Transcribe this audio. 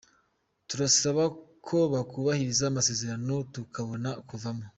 Turasaba ko bakubahiriza amasezerano tukabona kuvamo.